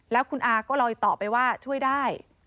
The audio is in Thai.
แล้วคุณอาก็ลอยต่อไปว่าช่วยได้